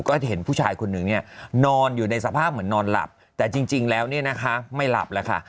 ก็เห็นผู้ชายคนนึงนอนอยู่ในสภาพเหมือนนอนหลับแต่จริงแล้วไม่หลับแล้วค่ะ